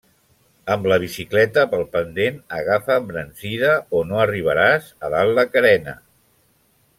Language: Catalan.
Amb la bicicleta, pel pendent, agafa embranzida o no arribaràs a dalt la carena.